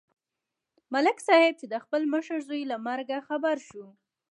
ملک صاحب چې د خپل مشر زوی له مرګه خبر شو